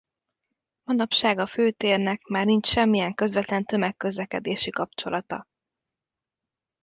Manapság a Fő térnek már nincs semmilyen közvetlen tömegközlekedési kapcsolata.